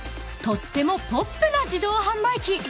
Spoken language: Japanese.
［とってもポップな自動販売機］